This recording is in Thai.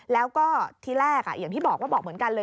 แล้วก็ทีแรกอย่างที่บอกว่าบอกเหมือนกันเลย